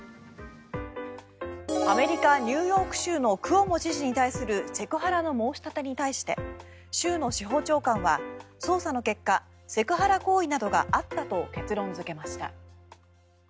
アメリカ・ニューヨーク州のクオモ知事に対するセクハラの申し立てに対して州の司法長官は捜査の結果セクハラ行為などがあったと結論付けました。